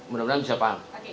mudah mudahan bisa paham